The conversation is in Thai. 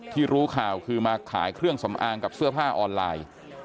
รู้ข่าวคือมาขายเครื่องสำอางกับเสื้อผ้าออนไลน์